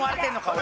俺。